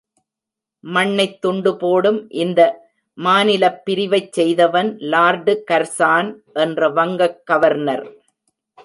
மண்ணைத் துண்டு போடும் இந்த மாநிலப் பிரிவைச் செய்தவன் லார்டு கர்சான் என்ற வங்கக் கவர்னர்.